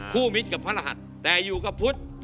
มิตรกับพระรหัสแต่อยู่กับพุทธ